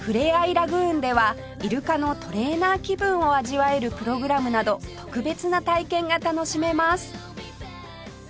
ラグーンではイルカのトレーナー気分を味わえるプログラムなど特別な体験が楽しめます